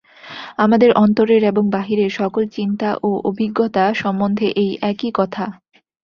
আমাদের অন্তরের এবং বাহিরের সকল চিন্তা ও অভিজ্ঞতা সম্বন্ধে এই একই কথা।